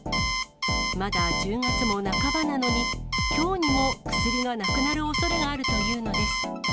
まだ１０月も半ばなのに、きょうにも薬がなくなるおそれがあるというのです。